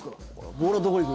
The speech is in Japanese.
ボールはどこへ行く？